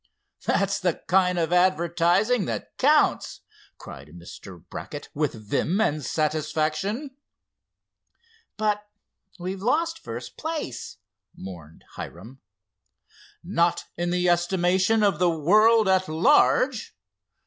"That's the kind of advertising that counts!" cried Mr. Brackett, with vim and satisfaction. "But we've lost first place!" mourned Hiram. "Not in the estimation of the world at large.